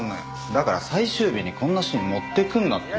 だから最終日にこんなシーン持ってくるなって。